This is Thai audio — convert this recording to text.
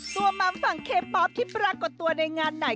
มัมฝั่งเคป๊อปที่ปรากฏตัวในงานไหน